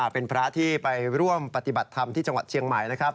เป็นพระที่ไปร่วมปฏิบัติธรรมที่จังหวัดเชียงใหม่นะครับ